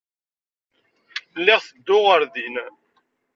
Lliɣ tedduɣ ɣer din.